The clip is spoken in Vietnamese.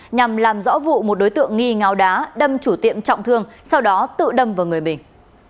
nhằm làm rõ vụ một đối tượng nghi ngáo đá đâm chủ tiệm trọng thương sau đó tự đâm vào người bình